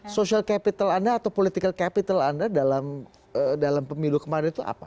social capital anda atau political capital anda dalam pemilu kemarin itu apa